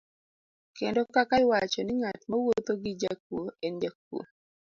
Kendo kaka iwacho ni ng'at mawuotho gi jakuo en jakuo.